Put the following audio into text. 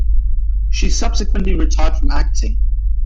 She subsequently retired from acting.